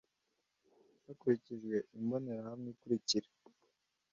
hakurikijwe imbonerahamwe ikurikira